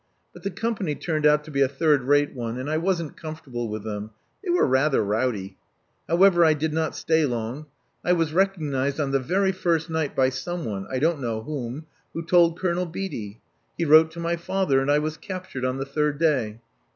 But the company turned out to be a third rate one; and I wasn't comfortable with them: they were rather rowdy. However, I did not stay long. I was recognized on the very first night by someone — I don't know whom — who told Colonel Beatty. He wrote to my father; and I was captured on the third day.